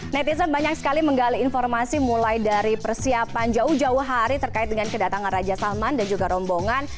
netizen banyak sekali menggali informasi mulai dari persiapan jauh jauh hari terkait dengan kedatangan raja salman dan juga rombongan